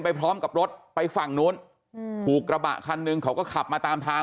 ไปพร้อมกับรถไปฝั่งนู้นถูกกระบะคันหนึ่งเขาก็ขับมาตามทาง